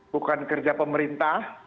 bukan kerja pemerintah